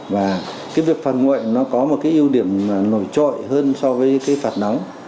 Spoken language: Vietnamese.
và cái việc phạt nguội nó có một cái ưu điểm nổi trội hơn so với cái phạt nóng